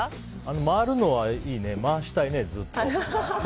回るのはいいね回したいね、ずっと。